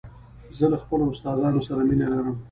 زه له خپلو استادانو سره مینه لرم.